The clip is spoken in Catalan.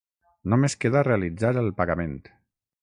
Només queda realitzar el pagament.